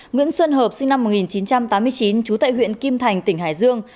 nguyễn xuân hợp sinh năm một nghìn chín trăm tám mươi chín trú tại huyện kim thành tỉnh hải dương